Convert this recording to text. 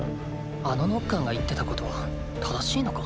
あのノッカーが言ってたことは正しいのか？